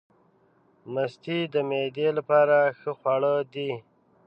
مستې د معدې لپاره ښه خواړه دي.